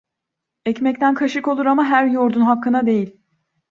Ekmekten kaşık olur ama her yoğurdun hakkına değil.